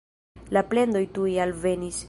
La plendoj tuj alvenis.